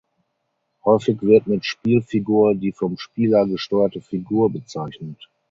Häufig wird mit Spielfigur die vom Spieler gesteuerte Figur bezeichnet.